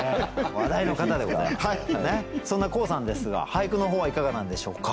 そんな黄さんですが俳句の方はいかがなんでしょうか？